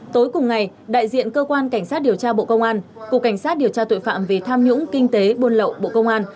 tối cùng ngày đại diện cơ quan cảnh sát điều tra bộ công an cục cảnh sát điều tra tội phạm về tham nhũng kinh tế buôn lậu bộ công an